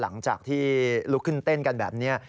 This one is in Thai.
หลังจากที่ลุกขึ้นเต้นกันแบบนี้